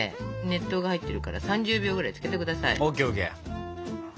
熱湯が入ってるから３０秒ぐらいつけて下さい。